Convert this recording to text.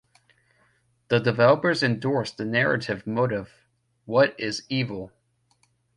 The developers endorsed the narrative motif, what is evil?